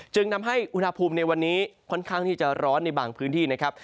จึงทำให้อุณหภูมิในวันนี้ค่อนข้างที่จะร้อนในบางพื้นที่นะครับ